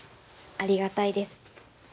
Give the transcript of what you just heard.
ありがたいです。